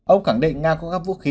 ông khẳng định nga có các vũ khí